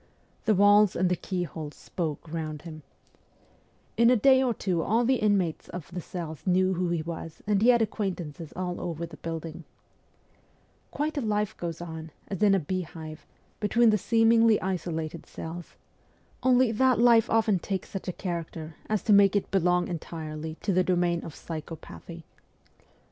The walls and the keyholes spoke round him. In a 280 MEMOIRS OF A REVOLUTIONIST day or two all the inmates of the cells knew who he was, and he had acquaintances all over the building. Quite a life goes on, as in a beehive, between the seemingly isolated cells ; only that life often takes such a character as to make it belong entirely to the domain of psycho pathy.